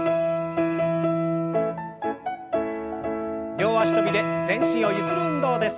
両脚跳びで全身をゆする運動です。